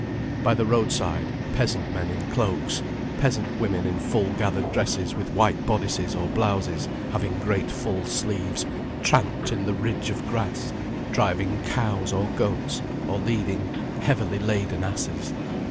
By the road side, peasant men in cloaks, peasant women in full gathered dresses with white bodices or blouses having great full sleeves, tramped in the ridge of grass, driving cows or goats, or leading heavily laden asses.